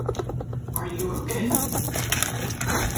Are you ok?